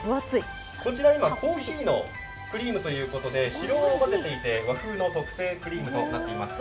こちら今、コーヒーのクリームということで白あんを混ぜていて和風の特製クリームとなっています。